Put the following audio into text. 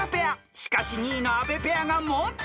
［しかし２位の阿部ペアが猛追］